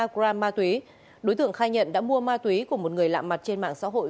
ba gram ma túy đối tượng khai nhận đã mua ma túy của một người lạm mặt trên mạng xã hội